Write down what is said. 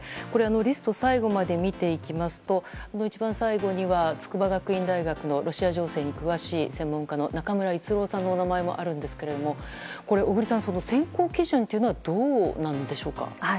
リストを最後まで見ていきますと一番最後にはロシア情勢に詳しい筑波学院大学の中村逸郎さんのお名前もあるんですが、小栗さん選考基準というのはどうなんでしょうか。